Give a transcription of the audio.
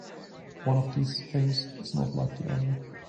One of these things is not like the other.